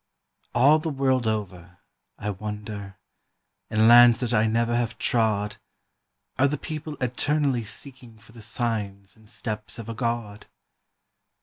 All the world over, I wonder, in lands that I never have trod, Are the people eternally seeking for the signs and steps of a God?